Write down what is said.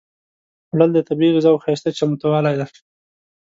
خوړل د طبیعي غذاوو ښايسته چمتووالی دی